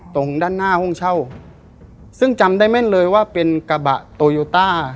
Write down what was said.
ตรงด้านหน้าห้องเช่าซึ่งจำได้แม่นเลยว่าเป็นกระบะโตโยต้า